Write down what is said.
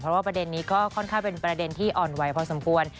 เพราะว่าประเด็นนี้ก็ค่อนข้างเป็นประเด็นที่อ่อนไหวพอสมควร